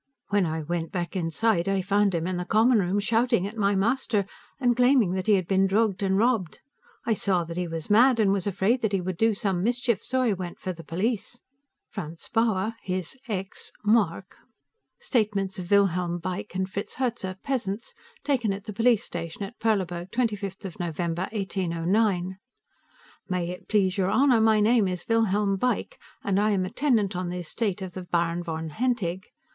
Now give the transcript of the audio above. When I went back inside, I found him in the common room shouting at my master, and claiming that he had been drugged and robbed. I saw that he was mad and was afraid that he would do some mischief, so I went for the police. Franz Bauer his (x) mark (Statements of Wilhelm Beick and Fritz Herzer, peasants, taken at the police station at Perleburg, 25 November, 1809.) May it please your honor, my name is Wilhelm Beick, and I am a tenant on the estate of the Baron von Hentig.